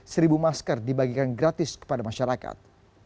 seribu masker dibagikan gratis kepada masyarakat